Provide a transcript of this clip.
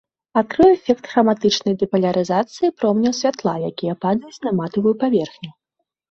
Адкрыў эфект храматычнай дэпалярызацыі промняў святла, якія падаюць на матавую паверхню.